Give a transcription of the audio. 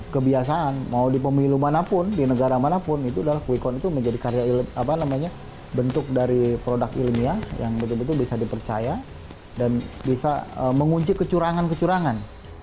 kebiasaan mau di pemilu manapun di negara manapun itu adalah quick count itu menjadi bentuk dari produk ilmiah yang betul betul bisa dipercaya dan bisa mengunci kecurangan kecurangan